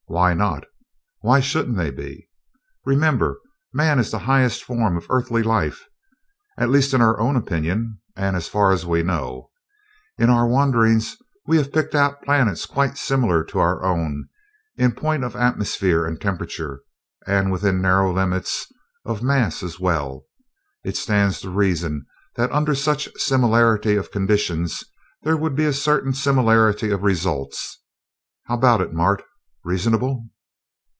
Why not? Why shouldn't they be? Remember, man is the highest form of earthly life at least, in our own opinion and as far as we know. In our wanderings, we have picked out planets quite similar to our own in point of atmosphere and temperature and, within narrow limits, of mass as well. It stands to reason that under such similarity of conditions, there would be a certain similarity of results. How about it, Mart? Reasonable?"